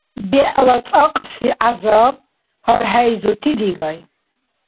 БегӀла цӀакьси гӀязаб — гьархӀейзурти дигай.